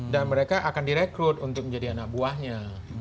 dan mereka akan direkrut untuk menjadi anak buahnya